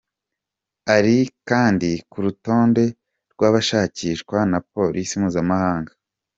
Ari kandi ku rutonde rw’abashakishwa na Polisi Mpuzamahanga.